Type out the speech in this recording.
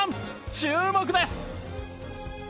注目です！